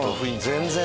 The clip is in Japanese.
全然。